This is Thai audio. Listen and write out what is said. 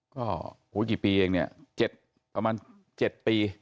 ก็กี่ปีเองเนี่ยประมาณ๗ปี